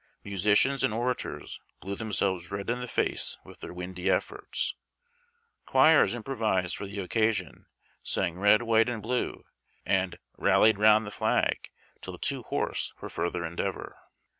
Musicians and orators blew themselves red in the face with their windy efforts. Choirs improvised for the occasion, sang "Red, White, and Blue " and " Rallied 'Round the Flag " till too hoarse for further endeavor.